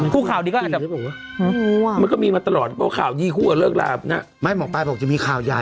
ข่าวดีก็อาจจะมันก็มีมาตลอดว่าข่าวดีคู่กับเลิกลาบนะไม่หมอปลายบอกจะมีข่าวใหญ่